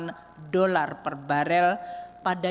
pada tahun dua ribu empat belas ini menimbulkan tekanan pada apbn